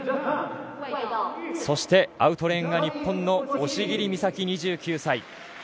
そして、アウトレーンが日本の押切美沙紀２９歳。